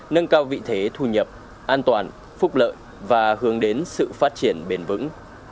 nâng cao vị thế thu nhập an toàn phúc lợi và hướng đến sự phát triển bền vững